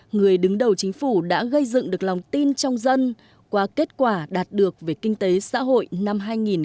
người đứng đầu chính phủ đã gây dựng được lòng tin trong dân qua kết quả đạt được về kinh tế xã hội năm hai nghìn một mươi tám